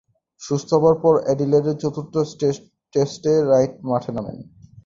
সুস্থ হবার পর অ্যাডিলেডের চতুর্থ টেস্টে রাইট মাঠে নামেন।